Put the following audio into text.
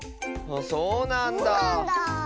そうなんだ。